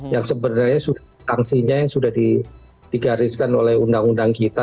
yang sebenarnya sudah sanksinya yang sudah digariskan oleh undang undang kita